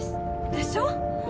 でしょ？